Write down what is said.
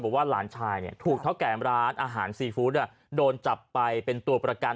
บอกว่าหลานชายถูกเท่าแก่ร้านอาหารซีฟู้ดโดนจับไปเป็นตัวประกัน